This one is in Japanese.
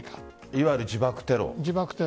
いわゆる自爆テロ。